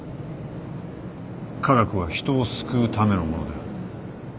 「科学は人を救うためのものである」